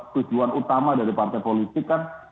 tujuan utama dari partai politik kan